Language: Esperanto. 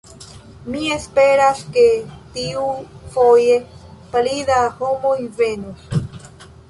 Mi esperas ke tiufoje, pli da homoj venos.